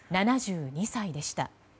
７２歳でした。